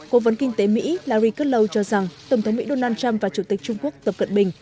cố vấn kinh tế mỹ larry kudlow cho rằng tổng thống mỹ donald trump và chủ tịch trung quốc tập cận bình